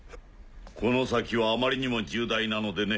この先はあまりにも重大なのでね。